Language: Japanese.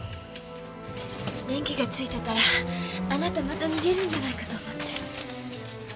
電気がついてたらあなたまた逃げるんじゃないかと思って。